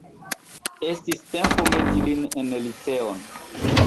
Estis tempo meti lin en liceon.